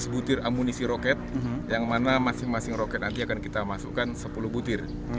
seratus butir amunisi roket yang mana masing masing roket nanti akan kita masukkan sepuluh butir